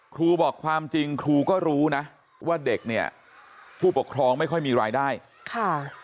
ครูบอกความจริงครูก็รู้นะว่าเด็กเนี่ยผู้ปกครองไม่ค่อยมีรายได้ค่ะ